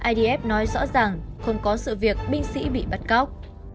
idf nói rõ ràng không có sự việc binh sĩ bị bắt cóc